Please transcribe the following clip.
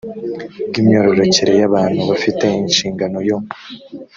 bw imyororokere y abantu bafite inshingano yo